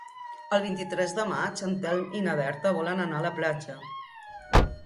El vint-i-tres de maig en Telm i na Berta volen anar a la platja.